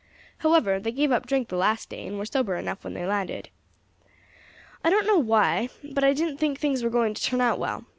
However, they gave up drink the last day, and were sober enough when they landed. "I don't know why, but I didn't think things were going to turn out well.